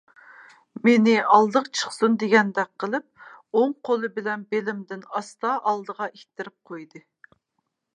مېنى ئالدىدا چىقسۇن دېگەندەك قىلىپ ئوڭ قولى بىلەن بېلىمدىن ئاستا ئالدىغا ئىتتىرىپ قويدى.